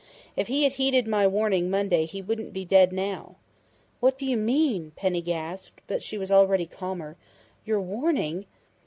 "If he had heeded my warning Monday he wouldn't be dead now." "What do you mean?" Penny gasped, but she was already calmer. "Your warning